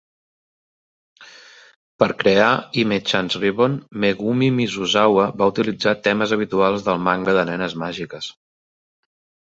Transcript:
Per crear Hime-chan's Ribbon, Megumi Mizusawa va utilitzar temes habituals del manga de nenes màgiques.